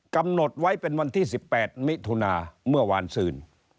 กำหนดไว้เป็นวันที่๑๘มิถุนาเมื่อวานซื่น